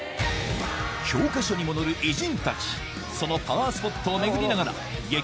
教科書にも載る偉人たちそのパワースポットを巡りながら激